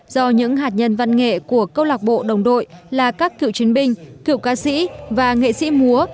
do những hạt nhân văn nghệ của câu lạc bộ đồng đội là các cựu chiến binh cựu ca sĩ và nghệ sĩ múa